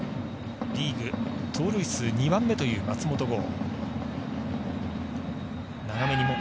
リーグ盗塁数２番目という松本剛。